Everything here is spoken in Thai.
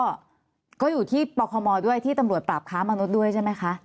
ก็อยู่ที่ปคมด้วยที่ตำรวจปราบค้ามนุษย์ด้วยใช่ไหมคะ